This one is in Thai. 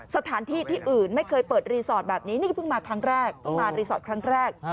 สถานที่ที่อื่นไม่เคยเปิดรีสอร์ทแบบนี้นี่คือเพิ่งมาครั้งแรก